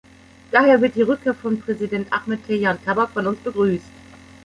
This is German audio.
Daher wird die Rückkehr von Präsident Ahmed Tejan Kabbah von uns begrüßt.